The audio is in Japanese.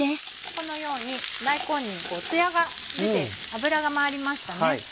このように大根にツヤが出て油が回りましたね。